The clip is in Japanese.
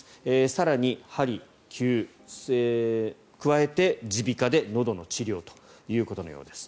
更に、はり、きゅう加えて耳鼻科でのどの治療ということのようです。